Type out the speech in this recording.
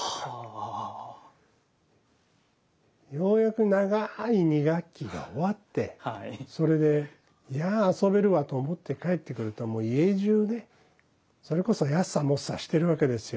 ようやく長い２学期が終わってそれでいやあ遊べるわと思って帰ってくるともう家じゅうねそれこそやっさもっさしてるわけですよ。